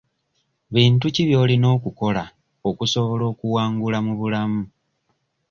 Bintu ki by'olina okukola okusobola okuwangula mu bulamu?